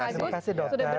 terima kasih dokter